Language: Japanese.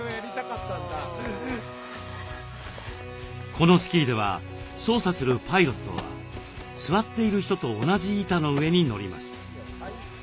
このスキーでは操作するパイロットは座っている人と同じ板の上に乗ります。